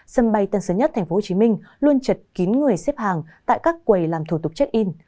sân bay tân sơn nhất tp hcm luôn chật kín người xếp hàng tại các quầy làm thủ tục check in